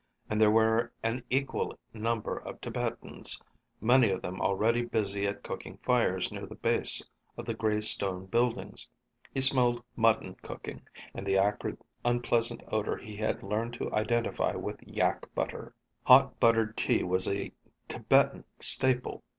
And there were an equal number of Tibetans, many of them already busy at cooking fires near the base of the gray stone buildings. He smelled mutton cooking, and the acrid, unpleasant odor he had learned to identify with yak butter. Hot buttered tea was a Tibetan staple.